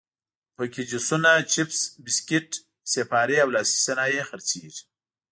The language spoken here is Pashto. په کې جوسونه، چپس، بسکیټ، سیپارې او لاسي صنایع خرڅېږي.